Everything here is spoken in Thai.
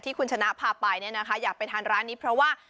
คุณชนะพาไปเนี่ยนะคะอยากไปทานร้านนี้เพราะว่า